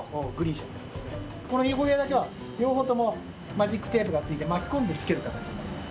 このＥ５系だけは両方ともマジックテープがついて巻き込んでつける形になります。